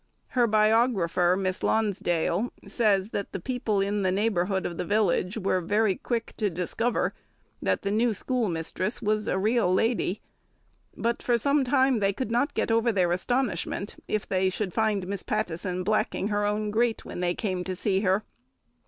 Her biographer, Miss Lonsdale, says that the people in the neighbourhood of the village were very quick to discover that the new schoolmistress was a real lady, but for some time they could not get over their astonishment if they found Miss Pattison blacking her own grate when they came to see her.